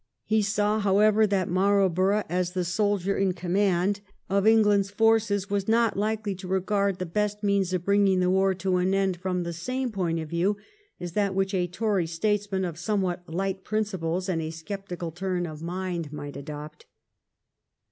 He saw, however, that Marlborough, as the soldier in command of England's forces, was not likely to regard the best means of bringing the war to an end from the same point of view as that which a Tory statesman of somewhat light principles and a sceptical turn of mind might adopt.